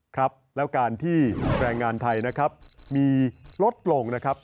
ครับแล้วการที่แรงงานไทยนะครับมีลดลงนะครับ